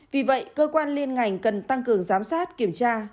vì vậy cơ quan liên ngành cần tăng cường giám sát kiểm tra